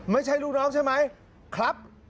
ไม่ใช่ลูกน้องใช่ไหมครับ